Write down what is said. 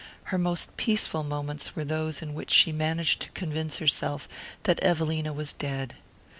Her most peaceful moments were those in which she managed to convince herself that Evelina was dead.